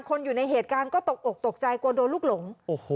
อยู่ในเหตุการณ์ก็ตกอกตกใจกลัวโดนลูกหลง